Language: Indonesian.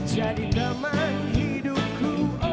jadi teman hidupku